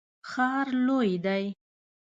ښار لوی دی